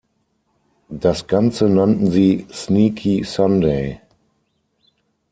Das Ganze nannten sie Sneaky Sunday.